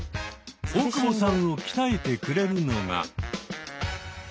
大久保さんを鍛えてくれるのが。